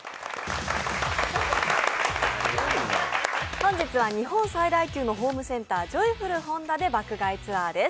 本日は日本最大級のホームセンタージョイフル本田で爆買いツアーです。